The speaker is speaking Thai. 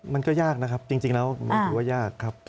มันก็ยากนะครับจริงแล้วมันถือว่ายากครับ